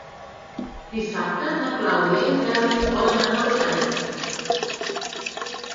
Dissabte na Clàudia i en Telm volen anar al teatre.